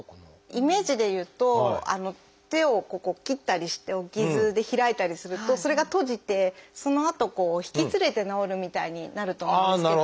イメージで言うと手をここ切ったりしてお傷で開いたりするとそれが閉じてそのあとこう引きつれて治るみたいになると思うんですけど。